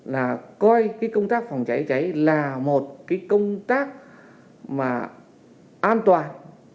là coi công tác phòng cháy cháy là một công tác an toàn